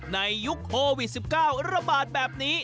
ยุคโควิด๑๙ระบาดแบบนี้